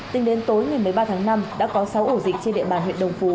tính đến tối ngày một mươi ba tháng năm đã có sáu ổ dịch trên địa bàn huyện đồng phú